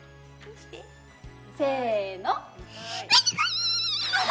せの。